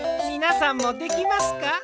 みなさんもできますか？